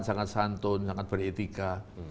sangat santun sangat beretika